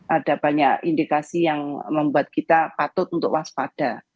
ada banyak indikasi yang membuat kita patut untuk waspada